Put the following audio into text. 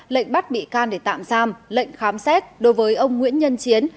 lệnh bắt bị can để tạm giam lệnh khám xét đối với ông nguyễn nhân chiến